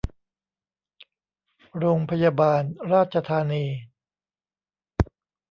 โรงพยาบาลราชธานี